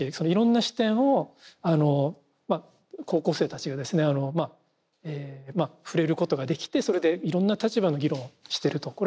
いろんな視点をまあ高校生たちがですねまあ触れることができてそれでいろんな立場の議論をしてると。